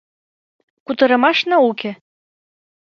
— Кутырымашна уке.